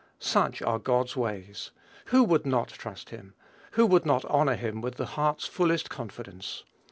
Such are God's ways. Who would not trust him? Who would not honor him with the heart's fullest confidence?